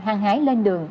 hàng hái lên đường